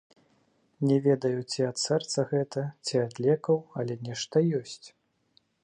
Не ведаю, ці ад сэрца гэта, ці ад лекаў, але нешта ёсць.